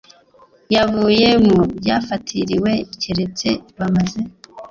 yavuye mu byafatiriwe keretse bamaze